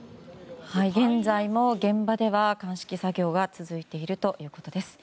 現在も現場では鑑識作業が続いているということです。